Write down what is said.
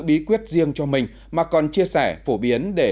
bí quyết riêng cho mình mà còn chia sẻ